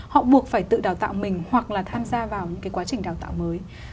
họ buộc phải tự đào tạo mình hoặc là tham gia vào những cái quá trình đào tạo mới